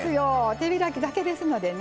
手開きだけですのでね。